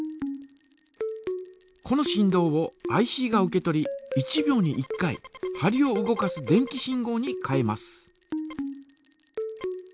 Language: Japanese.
この振動をＩＣが受け取り１秒に１回針を動かす電気信号に変えます。